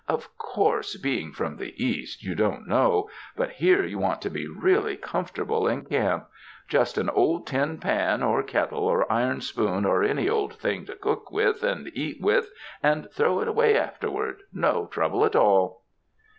Of course being from the East you don't know, but here you want to be really com fortable in camp; just an old tin pan or kettle or iron spoon or any old thing to cook with and eat with, and throw it away afterward — no trouble at all!"